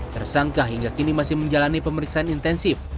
tersangka hingga kini masih menjalani pemeriksaan intensif